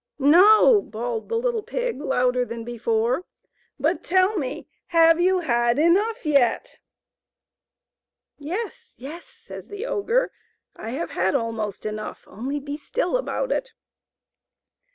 " No," bawled the little pig, louder than before, " but tell me, have you had enough yet ?*'" Yes, yes," says the ogre, " I have had almost enough, only be still about it